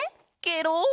ケロ！